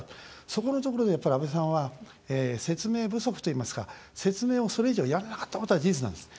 そこのところで、やっぱり安倍さんは説明不足といいますか説明を、それ以上やらなかったことは事実なんです。